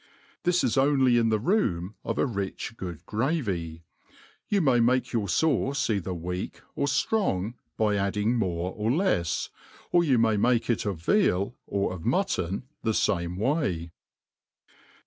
This is only in the room of a rich good gravy. You may make your fauce either weak or ftrong, by adding more or lefs ; or you may make it of.veal, or of mutton the fame way.